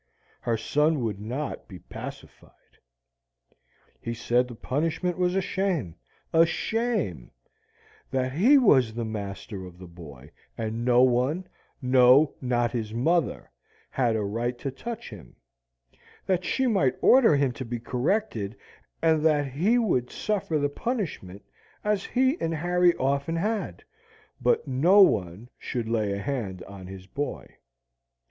Her son would not be pacified. He said the punishment was a shame a shame; that he was the master of the boy, and no one no, not his mother, had a right to touch him; that she might order him to be corrected, and that he would suffer the punishment, as he and Harry often had, but no one should lay a hand on his boy.